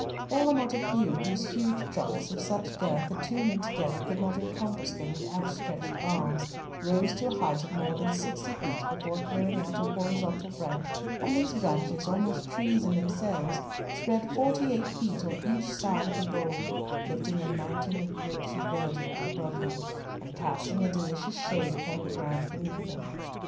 There were not a few whose huge trunks, of such girth that two men together could not encompass them with outstretched arms, rose to a height of more than sixty feet before throwing out a horizontal branch, and these branches, almost trees in themselves, spread forty eight feet on each side of the bole, lifting a mountain of rich verdure above them, and casting a delicious shade upon the ground beneath them.